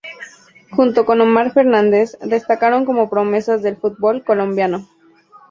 Junto con Omar Fernández destacaron como promesas del fútbol colombiano.